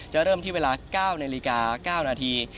จะเริ่มที่เวลา๙น๙น